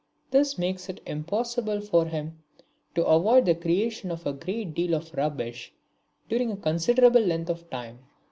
This makes it impossible for him to avoid the creation of a great deal of rubbish during a considerable length of time.